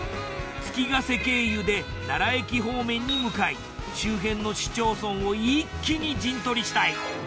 月ケ瀬経由で奈良駅方面に向かい周辺の市町村を一気に陣取りしたい！